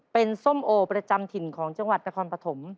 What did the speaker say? เป็นส้มโอประจำถิ่นของจังหวัดนครปฐม